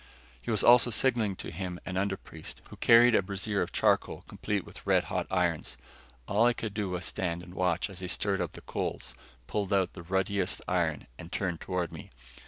He was also signaling to him an underpriest who carried a brazier of charcoal complete with red hot irons. All I could do was stand and watch as he stirred up the coals, pulled out the ruddiest iron and turned toward me.